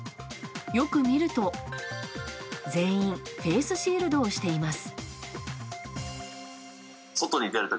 よく見ると全員フェースシールドをしています。